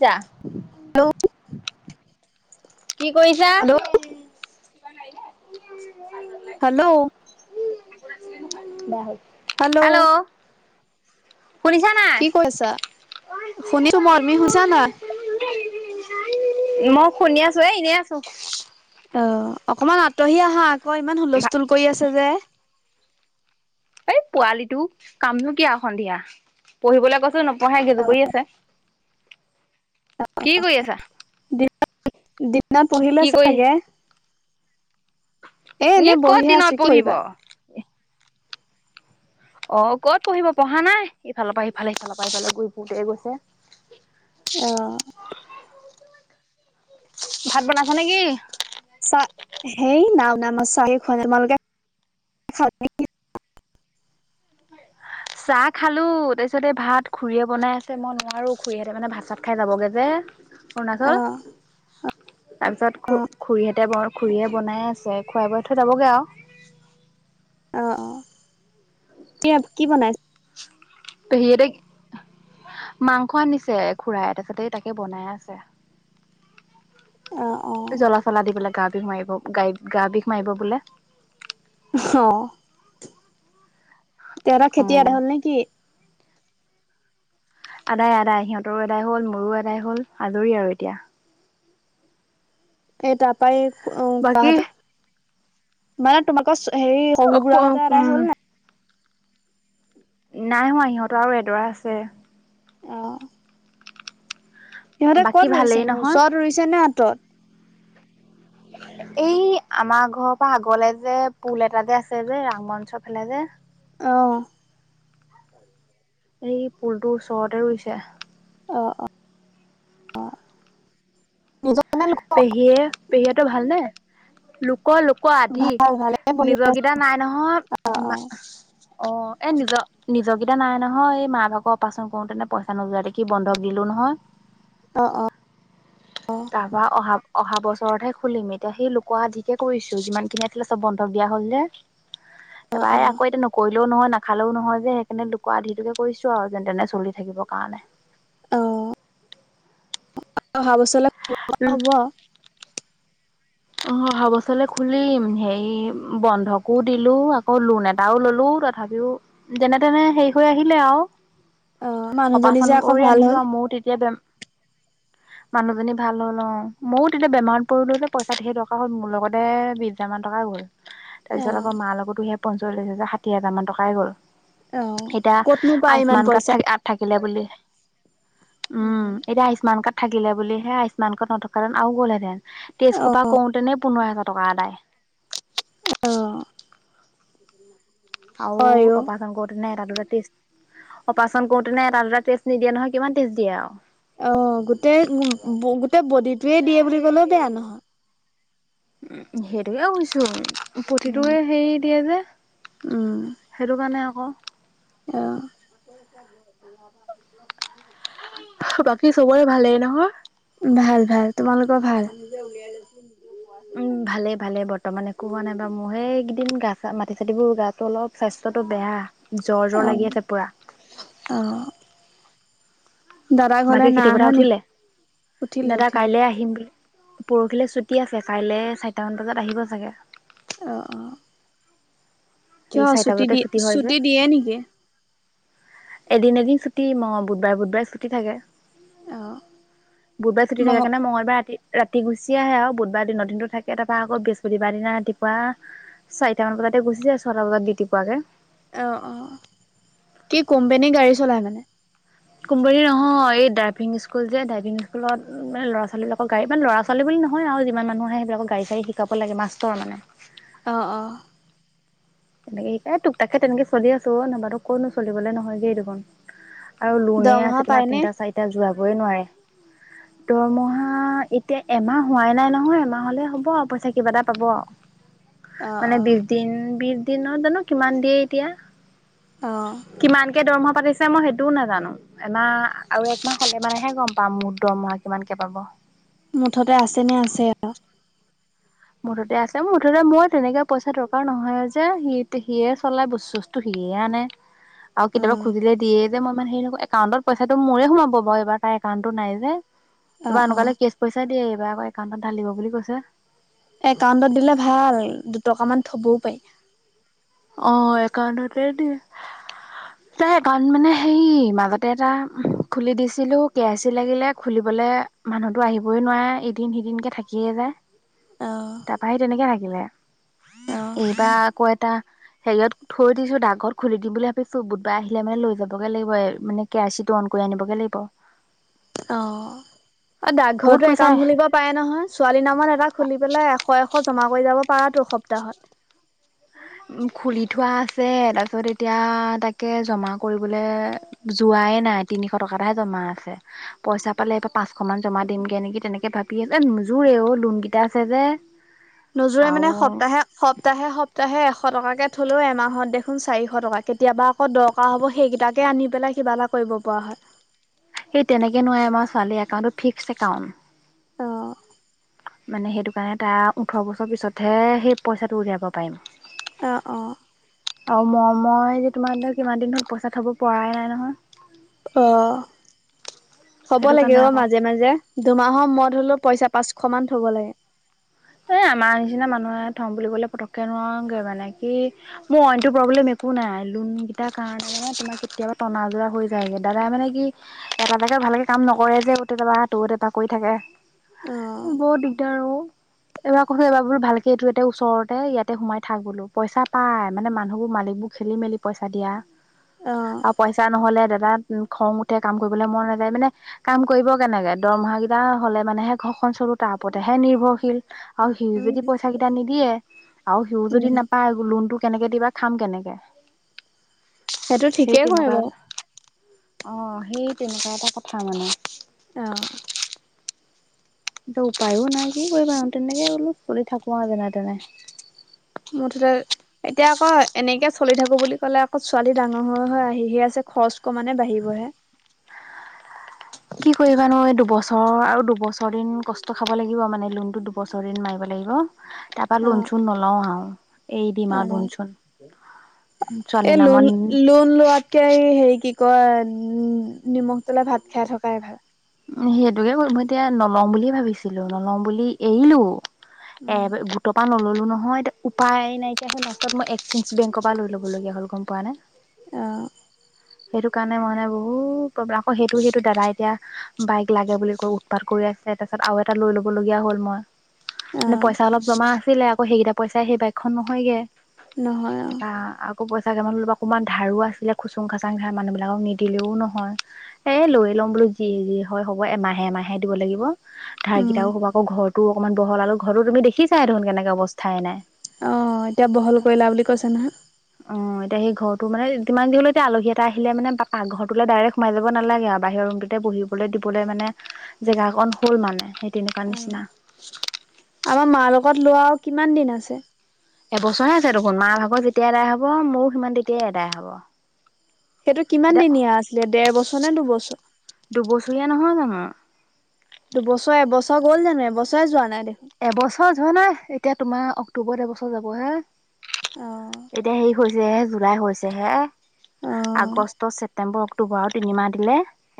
যা- হেল্লৌ' কি কৰিছা? হেল্ল' বেয়া হ'ল। হেল্লৌ' হেল্ল' শুনিছা নাই? কি কৰিছা? শুনিছো মই তুমি শুনিছা নাই? মই শুনি আছো এ এনেই আছো। অ' অকমান আঁতৰি আহা আকৌ ইমান ভা হুলস্থুল কৰি আছে যে। এই পোৱালিটো কামনো কি আৰু সন্ধিয়া পঢ়িবলৈ কৈছো ন নপঢ়ে গেজো কৰি আছে কি কৰি আছা? দিনত দিনত পঢ়িলে কি কৰি চাগে। এ ই এনে ক'ত বহিয়ে দিনত আছো কি পঢ়িব। কৰিবা? অ' ক'ত পঢ়িব পঢ়া নাই ইফালৰ পৰা ইফালে সিফালৰ পৰা ইফালে লৈ ঘূৰি ফুৰোঁতেই গৈছে। অ'। ভাত বনাইছা নেকি? চা হেই নাই বনোৱা নাই মই চাহে খোৱা নাই তোমালোকে খালা নে কি। চাহ খালোঁ তাৰপিছত এই ভাত খুৰীয়ে বনাই আছে মই নোৱাৰোঁ খুৰীহঁতে মানে ভাত চাত খাই যাবগৈ যে। অৰুণাচল। অ' তাৰ পিছত খু -খুৰীহতে ব খুৰীয়ে বনাই আছে খুৱাই বোৱাই থৈ যাবগে আৰু। অ' অ 'কি কি বনাইছে? পেহিহতে, মাংস আনিছে খুৰাই তাৰপাছতে তাকে বনাই আছে। অ' অ' জ্বলা চলা দি পলাই গা বিষ মাৰিব গাই গা বিষ মাৰিব বোলে। অ' তেহতৰ অ খেতি এদাই হ'ল নে কি? আদায় আদায়। সিহঁতৰো আদায় হ'ল, মোৰো আদায় হ'ল, আজৰি আৰু এতিয়া। এই তাৰ পৰাই খুৰা বাকী হঁতৰ মানে তোমালোক হেৰি শহুবুঢ়া হতৰ আদায় উম হ'ল‌ নাই? নাই হোৱা ইিহঁতৰ আৰু এডৰা আছে। অ' সিহঁতে বাকী ক'ত ভালেই ৰুইছেনো নহয় ওচৰত ৰুইছে নে আঁতৰত? এই আমাৰ ঘৰৰ পৰা আগলে যে পুল এটা যে আছে যে ৰামঞ্চৰ ফালে যে। অ' এই পুলটোৰ ওচৰতে ৰুইছে। অ' অ'। নিজনে লোক পেহীয়ে পেহী হতঁৰ ভালনে? লোকৰ লো কোৱা আধি ভাল ভালে বহি আছে নিজকেইটা নাই অ নহয়। অ এ নিজৰ নিজৰকেইটা নাই নহয় এই মা ভাগ অপাৰেচন কৰোতেনে পইচা নোযোৱা দেখি বন্ধক দিলো নহয়। অ' অ'। তাৰ পৰা অহা অহা বছৰতহে খুলিম এতিয়া সেই লোক আধিকে কৰিছো যিমানখিনি আছিলে চব বন্ধক দিয়া হ'ল যে। অ তাৰপৰা অ আকৌ এতিয়া ন কৰিলেও নহয়, নাখালেও নহয় যে সেইকাৰণে লোকৰ আধিটোকে কৰিছোঁ আৰু যেন তেনে চলি থাকিব কাৰণে। অ 'অহা বছৰলৈ কৰিব পৰা হ'ব আৰু। অ' অহা বছৰলৈ খুলিম হেৰি বন্ধকো দিলো আকৌ লোন এটাও ললো তা তথাপিও যেনে তেনে হে হৈ আহিলে আৰু। অ মানুহজনী যে অপাৰেচন আকৌ কৰি ভাল হ'ল আনিলো আৰু মইও তেতিয়া বে মানুহজনী ভাল হ'ল অ' মইও তেতিয়া বেমাৰত পৰিলো যে। পইচা ধেই দৰকা হ'ল, মোৰ লগতে বিশ হাজাৰ মান টকাই গ'ল। তাৰ অ পিছত আকৌ মাৰ লগতো সে পঞ্চলিছ হাজাৰ ষাঠি হাজাৰ মান টকাই গ'ল। অ এতিয়া ক'তনো পায় ইমান আয়ুস্মান কাৰ্ড পইচা থাক থাকিলে বুলি। উম এতি আয়ু্মান কাৰ্ড থাকিলে বুলিহে, আয়ুস্মান কাৰ্ড নথকা হ'লে আৰু গ'লহেতেন। টেষ্ট অ খোপা কৰোতেনে পোন্ধৰ হাজাৰ টকা আদায়। আহ আও অপাৰচন কৰোতেনে তাতো ত ত্ৰিচ অপাৰেচন কৰোতেনে এটা দুটা টেষ্ট নিদিয়ে নহয়, কিমান টেষ্ট দিয়ে আও। অ গোটেই গোটেই বডিটোয়ে দিয়ে বুলি কলেও বেয়া নহয়। উ সেইটোকে কৈছো উম প্ৰতিটোয়ে হেৰি দিয়ে যে। উম সেইটো কাৰণে আক। অ বাকী চবৰে ভালেই নহয়? ভাল ভাল, তোমালোকৰ ভাল? নিজে উলিয়াই লৈছে নিজেও কোৱা উম ভালে ভালে বৰ্তমান একো হোৱা নাই বাৰু মোৰ সেই এইকেইদিন গা চা মাটি চাতিবোৰ গাটো অলপ স্বাস্থ্যটো বেয়া জ্বৰ অ জ্বৰ লাগি আছে পুৰা। অ দাদা ঘৰলে বাকী নাই খেতি আহা পথাৰ নি উঠিলে, উঠিলে দাদা উঠিলে কাইলে আহিম বুলি পৰহিলৈ ছুটি আছে কাইলে চাৰিটামান বজাত আহিব চাগে। অ অ এই কিয় চাৰিটা ছুটী বজাতে দি ছুটি হয় যে ছুটী দিয়ে নিদিয়ে? এদিন এদিন ছুটি, ম বুধবাৰে বুধবাৰে ছুটি থাকে। অ বুধবাৰে ছুটি মঙ থাকে কাৰণে মঙলবাৰে ৰাতি ৰাতি গুচি আহে আও বুধবাৰ দিনৰ দিনটো থাকে, তাৰপা আকৌ বৃহস্পতিবাৰ দিনা ৰাতিপুৱা চাৰিটা মান বজাতে গুছি যায় ছটা বজাত দিউতি পুৱাকে। অ অ কি কোম্পানীৰ গাড়ী চলাই মানে। কোম্পানী নহয় এই ড্ৰাইভিং স্কুল যে ড্ৰাইভিং স্কুলত মানে ল'ৰা ছোৱালী লগৰ গাড়ীপা ল'ৰা ছোৱালী বুলি নহয় আও যিমান মানুহ আহে সেইবিলাক গাড়ী চাড়ী শিকাব লাগে মাষ্টৰ মানে। অ অ তেনেকে সেই তাকে তোক তাকে তেনেকে চলি আছো, নাইবাতু কনো চলিবলে নহয়গেই দেখোন। আৰু লোনেই দৰমহা আছে তোমাৰ পায়নে তিনিটা চাৰিটা যোৱাবই নোৱাৰে। দৰমহা এতিয়া এমাহ হোৱাই নাই নহয় এমাহ হ'লে হ'ব আও পইছা কিবা এটা পাব আও। অ মানে অ বিশ দিন বিশ দিনত জানো কিমান দিয়ে এতিয়া? অ কিমানকে দৰমহা পাতি দিছে মই সেইটোও নাজানো, এমাহ আৰু একমাহ হলে মানেহে গম পাম মোৰ দৰমহা কিমানকে পাব। মুঠতে আছে নে আছে আও। মুঠতে আছে মোৰ মুঠতে মই তেনেকে পইচা দৰকাৰ নহয় যে, সি সিয়ে চলাই বস্তু বস্তু সিয়ে আনে। আও কেতিয়াবা উম খুজিলে দিয়ে। মই মানে একাউণ্টত পইছাটো মোৰে সোমাব বাৰু এইবাৰ তাৰ একাউন্টতো নাই যে অ এইবাৰ অ এনেকোৱালে কেচ পইছা দিয়ে এইবাৰ আকৌ একাউণ্টত ঢালিব বুলি কৈছে। একাউণ্টত দিলে ভাল দুটকা মান থবও পাৰি। অ একাউণ্টতে দিয়ে। তাৰ একাউণ্ট মানে সেই মাজতে এটা খুলি দিছিলো কে আই চি লাগিলে খুলিবলে মানুহতো আহিবই নোৱাৰে, এদিন সিদিনকে থাকিয়ে যায়। অ তাৰাপা সি তেনেকে থাকিলে অ এইবাৰ আকৌ এটা হেৰিয়ত থৈ দিছো ডাক ঘৰত খুলি দিম বুলি ভাবিছো বুধবাৰে আহিলে মানে লৈ যাবগে লাগিব এ মানে কে আই চিটো অন কৰি আনিব‌গে লাগিব। অ এ বহুত ডাকঘৰটো পইচা একাউণ্ট খুলিব পাৰে নহয় ছোৱালীৰ নামত এটা খুলি পেলাই এশ এশ জমা কৰি যাব পাৰাতো সপ্তাহত। উ খুলি থোৱা আছে, তাৰপিছত এতিয়া তাকে জমা কৰিবলে যোৱাই নাই তিনিশ টকা এটাহে জমা আছে। পইচা পালে এবাৰ পাঁচশ মান জমা দিমগে নেকি, তেনেকে ভাবি আছোঁ নোযোৰে অ লোন কেইটা আছে যে। নোজোৰে আৰু মানে সপ্তাহে সপ্তাহে সপ্তাহে এশ টকাকে থলোঁ এমাহত দেখোন চাৰিশ টকা কেতিয়াবা কেতিয়াবা দৰকাৰ হ'ব, সেইকেইটাকে আনি পেলাই কিবা এটা কৰিব পৰা হয়। সেই তেনেকে নো এই, আমাৰ ছোৱালীৰ একাউণ্টৰ ফিক্স একাউণ্ট। অঁ,। মানে সেইটো কাৰণে তাইৰ ওঠৰ বছৰ পিছতহে সেই পইচাটো উলিয়াব পাৰিম। অঁ অঁ। অ, ম মই যে তোমাৰ কিমান দিন হ'ল পইচা থব পৰাই নাই নহয়। অঁ হব সেইটো লাগে কাৰণে অঁ আকৌ মাজে মাজে। দুমাহৰ মোৰত হ'লেও পইচা পাঁচশ মান থ'ব লাগে। এ আমাৰ নিচিনা মানুহে থম বুলি ক'লে পতককে নোৱাৰোগে মানে, কি? মোৰ অইনটো প্ৰব্লেম একো নাই লোন কেইটাৰ কাৰণেহে মানে তোমাৰ কেতিয়াবা টনা আজোৰা হৈ যায়গে। দাদা মানে কি এটা এটা ভালকে কাম নকৰে যে কেতিয়াবা ইয়াত এটা তাত এটা কৰি থাকে। অ' বৰ দিগদাৰ অ। এবাৰ কৈছোঁ এবাৰ ভালকে এইটো ইয়াতে ওচৰতে ইয়াতে সোমাই থাক বোলো। পইচা পাই, মানে মানুহবোৰ মালিকবোৰ খেলি মেলি পইচা দিয়া অ' আৰু পইচা নহ'লে দাদাত খং উঠে কাম কৰিবলৈ মন নাযায় মানে কাম কৰিব কেনেকে, দৰমহা কিটা হ'লে মানেহে ঘৰখন চলো তাৰ ওপৰতহে নিৰ্ভৰশীল। আৰু সিওঁ উম, যদি পইচা কিটা নিদিয়ে আৰু সিওঁ উম যদি নাপায় লোনতটো কেনেকে দিবা খাম কেনেকে? সেইটো সেই ঠিকেই কৰে বাৰু তেনেকুৱাই। অঁ সেই তেনেকুৱা এটা কথা মানে। অঁ। এইটো উপায়ো নাই কি কৰিবা আৰু তেনেকে বোলো চলি থাকোঁ তেনে তেনে। মুঠতে এতিয়া আকৌ এনেকে চলি থাকোঁ বুলি ক'লে আকৌ ছোৱালী ডাঙৰ হৈ, হৈ আহিহি আছে খৰচ ক মানে বাঢ়িবহে। কি কৰিবা নো এই দুবছৰ আৰু দুবছৰ দিন কষ্ট খাব লাগিব মানে লোনটো দুবছৰ দিন মাৰিব লাগিব। তাৰ পৰা লোন অ' চোন নলওঁ আও। এৰি দিম আৰু অ' লোন চোন এই ছোৱালী লোন নামত লোন লোৱা হেৰি কি কয় উ নিমখ তেলে ভাত খাই থকাই ভাল। উম সেইটোকে কৰিম মই এতিয়া নলম বুলিয়ে ভাবিছিলোঁ নলম বুলি এৰিলোঁ। উম, এ গোটৰ পৰা নললোঁ নহয়। উপায় নাইকিয় হয় লাষ্টড মই এক্সি বেংকৰ পৰা লৈ ল'ব লগগীয়া হ'ল গম পোৱা নে। অ। সেইটো কাৰণে মানে বহুত প্ৰব্লেম আকৌ সেইটো সেইটো দাদা এতিয়া বাইক লাগে বুলি কয় উৎপাত কৰি আছে তাৰপাছত আৰু এটা লৈ ল'ব লগীয়া হ'ল মই। মানে অ' পইচা অলপ জমা আছিলে। আকৌ সেইকেইটা পইচাই সেই বাইকখন নহয়গে। নহয় অ' বা। আকৌ পইচা কিান অকণমান ধাৰো আছিলে। খুচুং খাচাং ধাৰ মানুহবিলাকক নিদিলেও নহয়। এ লৈ ল'ম বোলো যি যি হয় হ'ব, এমাহে এমাহে দিব লাগিব ধাৰ উম, কেইটাক হ'ব আকৌ ঘৰৰতো অকণমান বহল আৰু ঘৰ তুমি দেখিছা দেখোন কেনেকে অৱস্থাই নাই। অ এতিয়া বহল কৰিলা বুলি কৈছে নহয়। অ এতিয়া সেই ঘৰটো মানে যিমান যি হ'লেও এতিয়া আলহী এটা আহিলে মানে পা পাক ঘৰটোলে ডাইৰেক্ট সোমাই যাব নেলাগে আৰু বাহিৰ ৰুমতোহে বহিব। খাবলে-দিবলে মানে জেগা অকন হ'ল মানে সেই তেনেকুৱা অ' নিচনা। আমাৰ মাৰ লগত লোৱা আওঁ, কিমান দিন আছে? এবছৰে আছে দেখোন মা ভাগৰ যেতিয়া আদায় হ'ব, ময়ো সিমান তেতিয়াই আদায় হব। সেইটো কিমান এতিয়া দিনীয়া আছিলে ডেৰ বছৰ নে দুবছৰ? দুবছৰীয়া নহয় জানো? দুবছৰ, এবছৰ গ'ল জানো? এবছৰে যোৱা নাই দেখোন? এবছৰ যোৱা নাই, এতিয়া তোমাৰ অক্টোবৰত এবছৰ যাব হে। অ', এতিয়া হেৰি হৈছে হে জুলাই হৈছে হে অ', আগষ্ট, ছেপ্তেম্বৰ, অক্টো অক্টোবাৰ, আওঁ তিনিমাহ দিলে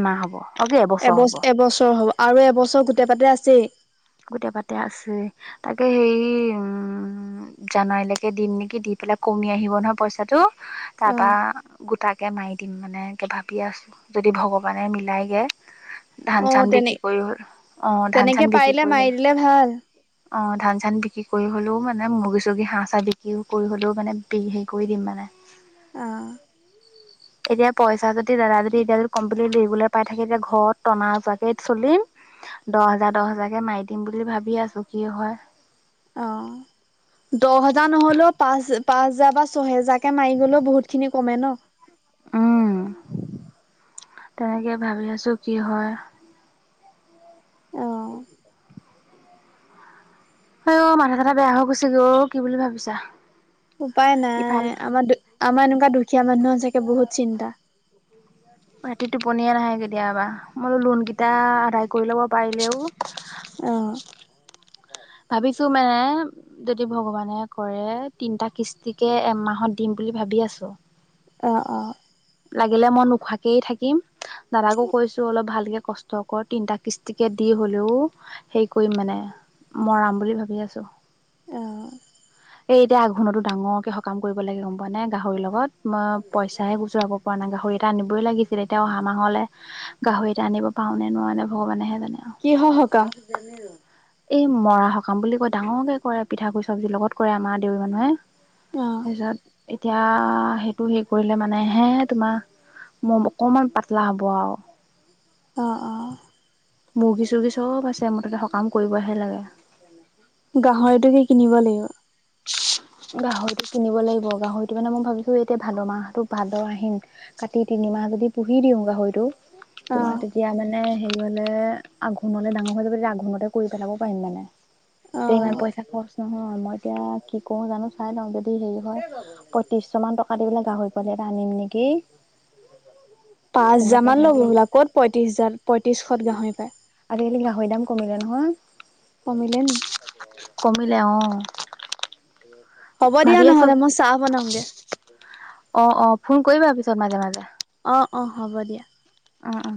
এমাহ হ'ব। অ কি এবছৰ হ'ব এবছ-এবছৰ হ'ব, আৰু এবছৰ গোটেই পাতে আছেই। গোটেই পাতে আছে তাকে হেৰি উম, জানুৱাৰীলৈকে দিম নেকি, দি পেলাই কমি আহিব নহয়, পইচাটো। তাৰপা অ', গোটাকে মাৰি দিম, মানে এনকে ভাবি আছোঁ। যদি ভগৱানে মিলাই গে, অ', ধান-চান বিক্ৰী কৰি অ'ধান-চান বিক্ৰী এ, কৰি মাৰি হ'ল দিলে ভাল। অ' ধান-চান বিক্ৰী কৰি হ'লেওঁ, মানে মুৰ্গী-চৰ্গী হাঁহ-চাহ বিক্ৰীও কৰি হ'লেওঁ, মানে বিকি শেষ কৰি দিম মানে। অ', [inaudible] এতিয়া, পইচা যদি দাদা যদি এতিয়া যদি কমপ্লিট লিবলৈ পাই থাকে, এতিয়া ঘৰত টনা আযোৱাকে চলিম। দহ হাজাৰ, দহ হাজাৰ কে মাৰি দিম বুলি ভাবি আছোঁ কি হয়। অ', দহ হেজাৰ নহ'লেও পাঁচ, পাঁচ হেজাৰ বা ছহেজাৰকে মাৰি গ'লেও বহুতখিনি কমে ন? উম, তেনেকে ভাবি আছোঁ, কি হয়। অ', আইয়, মাথা- চাথা বেয়া হৈ গৈছেগে অ' কি বুলি ভাবিছা? উপায় নাই, ইফাল আমাৰ দু আমাৰ এনেকুৱা দুখীয়া মানুহৰ চাগে বহুত চিন্তা। [inaudible] ৰাতি টোপনিয়ে নাহে, কেতিয়াবা মই লোন কেইটা আদাই কৰি ল'ব পাৰিলেওঁ অ', ভাবিছোঁ মানে যদি ভগৱানে কৰে, তিনটা কিস্তিকে এমাহত দিম বুলি ভাবি আছোঁ। অ' অ' লাগিলে মই নোখোৱাকেই থাকিম, দাদাকো কৈছো অলপ ভালকে কচ ষ্ট কৰ তিনটা কিস্তিকে দি হ'লেও হেৰি কৰিম মানে মৰাম বুলি ভাবি আছোঁ। অ', এই, এতিয়া আঘোণতো ডাঙৰকে সকাম কৰিব লাগে গম পোৱা নে, গাহৰিৰ লগত মই পইচাহে গুচোৰাব পৰা নাই, গাহৰি এটা আনিবই লাগিছিল এতিয়া অহা মাহলে গাহৰি এটা আনিব পাৰোঁ নে নোৱাৰোনে, ভগৱানেহে জানে আৰু। কিহৰ সকাম? [unintelligible] এই মৰা সকাম বুলি কয়, ডাঙৰকে কৰে পিঠাগুৰি, চব্জিৰ লগত কৰে আমাৰ দেউৰী মানুহে। অ', ৰাত এতিয়া সেইটো হেৰি কৰিলে মানে হে তোমাৰ [unintelligible] অকনমান পাতলা হ'ব আৰু। অ' অ' মুৰ্গী-চৰ্গী চব আছে, মোথতে সকাম কৰিবহে লাগে। গাহৰিটো কে কিনিব লাগিব। গাহৰিটো কিনিব লাগিব, গাহৰিটো মানে মই ভাবিছো এতিয়া ভাদ মাহতো ভাদ, আহিন- কাতি তিনিমাহ যদি পুহি দিওঁ গাহৰিটো- তোমাৰ পাঁচ তেতিয়া মানে হেৰি হলে আঘোণলে ডাঙৰ হৈ যাব, তেতিয়া আঘোণতে- কৰি পেলাব পাৰিম মানে এতিয়া ইমান পইচা খৰচ নহয়, মই এতিয়া কি হাজাৰ কৰোঁ জানো? চাই লওঁ, যদি হেৰি হয় পয়ত্ৰিশ মান টকা দি পেলাই গাহৰি পোৱালি এটা আনিম নেকি? পাঁচ হাজাৰ তেনেকে মান ল'ব ভাবি আছোঁ। হ'বলা, ক'ত পঁয়ত্ৰিশ হাজাত পঁয়ত্ৰিশত গাহৰি পায়। আজিকালি গাহৰি দাম কমিলে কমিলে নি নহয়, কমিলে অঁ। হ'ব দিয়া আছো নহ'লে মই চাহ বনাওঁগে। অঁ অঁ ফোন কৰিবা পিছত মাজে-মাজে। অঁ অঁ হ'ব দিয়া। অঁ অঁ।